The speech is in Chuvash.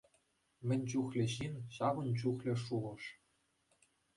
Мӗн чухлӗ ҫын, ҫавӑн чухлӗ шухӑш.